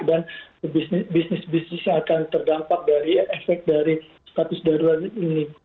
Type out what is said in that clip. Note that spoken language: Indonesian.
dan bisnis bisnis yang akan terdampak dari efek dari status darurat ini